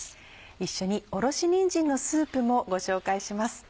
一緒におろしにんじんのスープもご紹介します。